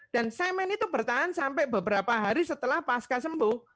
dan semen itu bertahan sampai beberapa hari setelah pasca sembuh